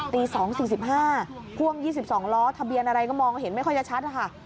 ตี๒๔๕พ่วง๒๒ล้อทะเบียนอะไรก็มองเห็นไม่ค่อยจะชัดนะคะ